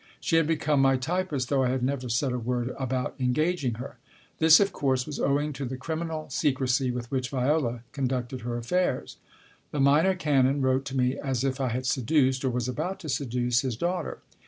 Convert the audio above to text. (She had become my typist, though I had never said a word about engaging her.) This, of course, was owing to the criminal secrecy with which Viola conducted her affairs. The Minor Canon wrote to me as if I had seduced, or was about to seduce, his daughter.